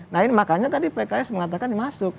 nah ini makanya tadi pks mengatakan dimasuk